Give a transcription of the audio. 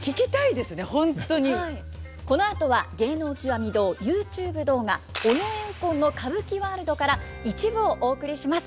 このあとは「芸能きわみ堂」ＹｏｕＴｕｂｅ動画「尾上右近の歌舞伎ワールド」から一部をお送りします。